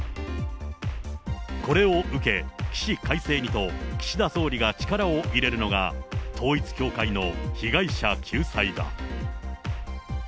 これを受け、起死回生にと岸田総理が力を入れるのが、統一教会の被害者救済だ。